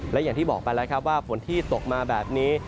และอย่างที่บอกไปแล้วครับว่าฝนที่ตกมาแบบนี้